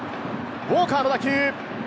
ウォーカーの打球。